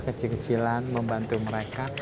kecil kecilan membantu mereka